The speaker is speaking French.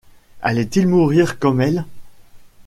Allait-il mourir comme elle?